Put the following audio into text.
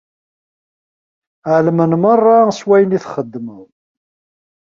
Ԑelmen merra s wayen i txedmeḍ.